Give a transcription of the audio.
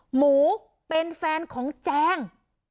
หมูเป็นแฟนของแจง